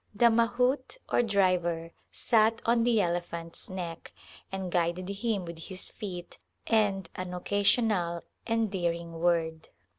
The mahout or driver sat on the elephant's neck and guided him with his feet and an occasional endearing word.